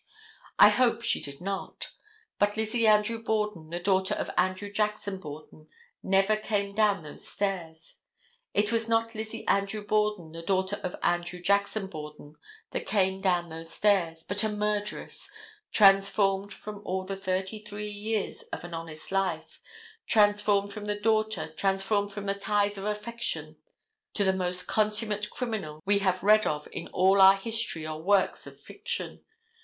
I hope she did not. But Lizzie Andrew Borden, the daughter of Andrew Jackson Borden, never came down those stairs. It was not Lizzie Andrew Borden, the daughter of Andrew Jackson Borden, that came down those stairs, but a murderess, transformed from all the thirty three years of an honest life, transformed from the daughter, transformed from the ties of affections to the most consummate criminal we have read of in all our history or works of fiction.